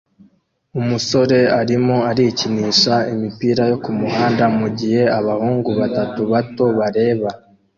Umusore arimo arikinisha imipira yo kumuhanda mugihe abahungu batatu bato bareba